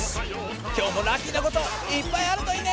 きょうもラッキーなこといっぱいあるといいね！